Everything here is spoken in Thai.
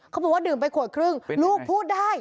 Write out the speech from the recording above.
เขาบอกว่าดื่มไปขวดครึ่งลูกพูดได้